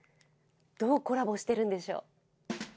どう、コラボしているんでしょう？